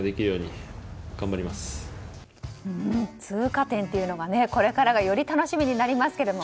通過点というのがこれからが、より楽しみですね。